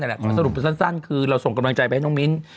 ขอสรุปสั้นคือเราส่งกำลังใจไปให้น้องมิ้น